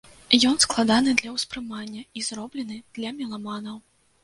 Ён складаны для ўспрымання і зроблены для меламанаў.